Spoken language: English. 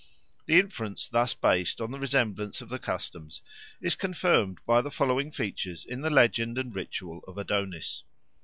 The inference thus based on the resemblance of the customs is confirmed by the following features in the legend and ritual of Adonis.